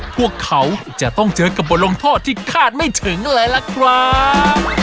พวกเขาจะต้องเจอกับบทลงโทษที่คาดไม่ถึงเลยล่ะครับ